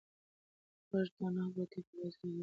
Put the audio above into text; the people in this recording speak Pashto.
غږ نه د کوټې په فضا کې و او نه له بهره راغی.